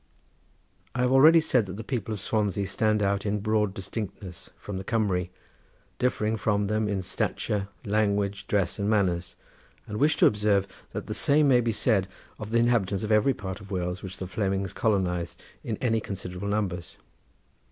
I have already said that the people of Swansea stand out in broad distinctness from the Cumry, differing from them in stature, language, dress, and manners, and wish to observe that the same thing may be said of the inhabitants of every part of Wales which the Flemings colonised in any considerable numbers.